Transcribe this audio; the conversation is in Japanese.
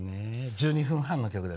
１２分半の曲です。